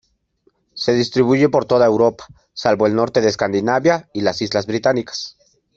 Se distribuye por toda Europa, salvo el norte de Escandinavia y las islas Británicas.